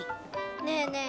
ねえねえ